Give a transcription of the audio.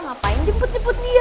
ngapain jemput jemput dia